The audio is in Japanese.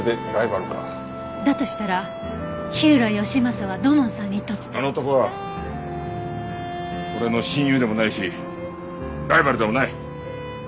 だとしたら火浦義正は土門さんにとって。あの男は俺の親友でもないしライバルでもない。